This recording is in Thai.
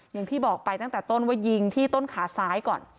อย่างที่บอกไปตั้งแต่ต้นว่ายิงที่ต้นขาซ้ายก่อน